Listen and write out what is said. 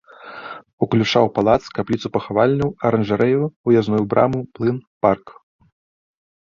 Уключаў палац, капліцу-пахавальню, аранжарэю, уязную браму, млын, парк.